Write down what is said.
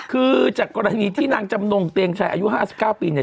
คือจากกรณีที่นางจำนงเตียงชัยอายุ๕๙ปีเนี่ย